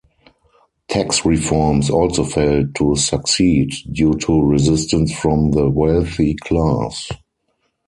Tax reforms also failed to succeed due to resistance from the wealthy class.